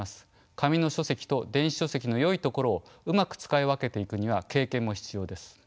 紙の書籍と電子書籍のよいところをうまく使い分けていくには経験も必要です。